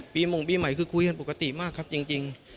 หมงปีใหม่คือคุยกันปกติมากครับจริง